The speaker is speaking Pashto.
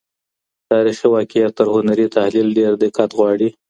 تاریخي واقعیت تر هنري تخیل ډېر دقت غواړي.